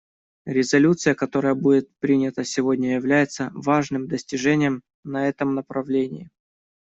Резолюция, которая будет принята сегодня, является важным достижением на этом направлении.